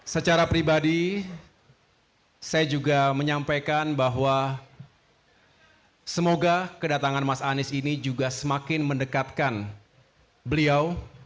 secara pribadi saya juga menyampaikan bahwa semoga kedatangan mas anies ini juga semakin mendekatkan beliau